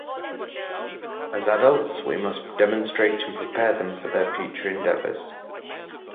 As adults we must demonstrate and prepare them for their future endeavors.